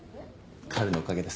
彼のおかげです。